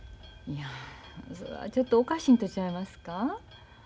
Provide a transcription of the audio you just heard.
いやそらちょっとおかしいんとちゃいますか？